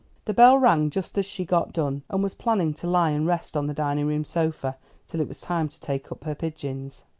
The bell rang just as she got done, and was planning to lie and rest on the dining room sofa till it was time to take up her pigeons.